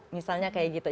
misalnya kayak gitu